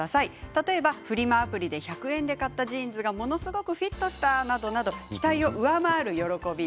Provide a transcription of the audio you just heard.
例えばフリマアプリで１００円で買ったジーンズがものすごくフィットしたなど期待を上回る喜び